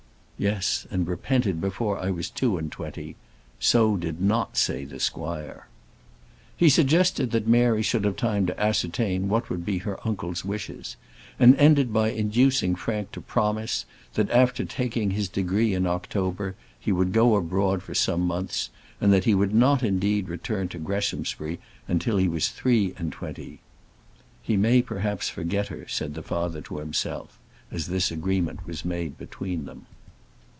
Yes, and repented before I was two and twenty. So did not say the squire. He suggested that Mary should have time to ascertain what would be her uncle's wishes, and ended by inducing Frank to promise, that after taking his degree in October he would go abroad for some months, and that he would not indeed return to Greshamsbury till he was three and twenty. "He may perhaps forget her," said the father to himself, as this agreement was made between them.